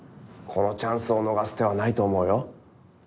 このチャンスを逃す手はないと思うよ。